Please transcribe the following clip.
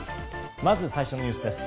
まず最初のニュースです。